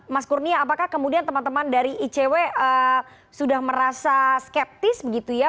mas kurnia apakah kemudian teman teman dari icw sudah merasa skeptis begitu ya